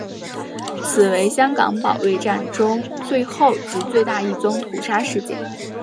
此为香港保卫战中最后及最大一宗屠杀事件。